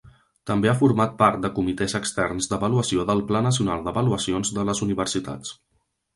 També ha format part de comitès externs d'avaluació del Pla Nacional d'Avaluacions de les Universitats.